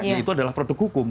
ya itu adalah produk hukum